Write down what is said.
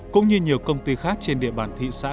cũng như nhiều công ty khác trên địa bàn thị xã